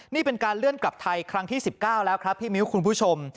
นี่เป็นการเลื่อนกลับไทยครั้งที่๑๙แล้วครับพี่มิ้วคุณผู้ชม